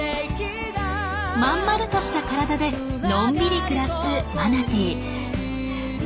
まんまるとした体でのんびり暮らすマナティー。